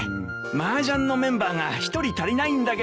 マージャンのメンバーが１人足りないんだけど。